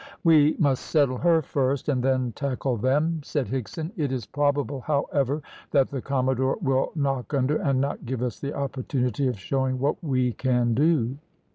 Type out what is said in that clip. "We must settle her first, and then tackle them," said Higson. "It is probable, however, that the commodore will knock under, and not give us the opportunity of showing what we can do."